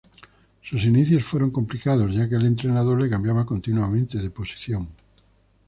Sus inicios fueron complicados ya que el entrenador le cambiaba continuamente de posición.